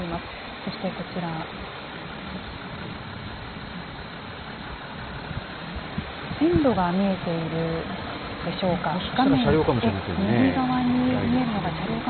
そしてこちら、線路が見えているでしょうか。